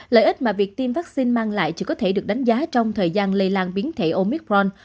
lợi ích mà việc tiêm vaccine mang lại chỉ có thể được đánh giá trong thời gian lây lan biến thể omicron